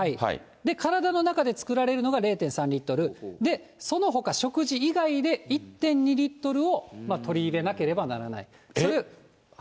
体の中で作られるのが０．３リットル、そのほか食事以外で１．２リットルを取り入れなければならない。